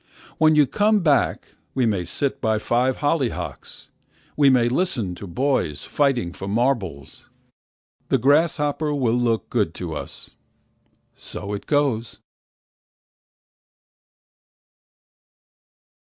When you come back we may sit by five hollyhocks. We might listen to boys fighting for marbles. The grasshopper will look good to us. So it goes.